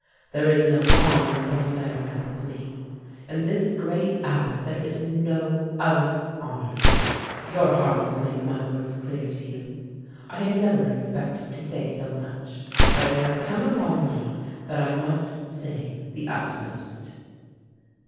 "There is no honor above America with me. In this great hour there is no other honor. "Your heart will make my words clear to you. I had never expected to say so much, but it has come upon me that I must say the utmost.